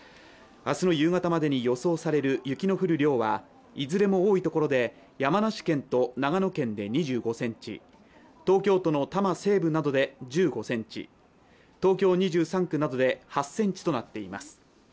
明日の夕方までに予想される雪の降る量はいずれも多いところで山梨県と長野県で２５ｃｍ、東京都の多摩西部などで１５ｃｍ、東京２３区などで８ｃｍとなっています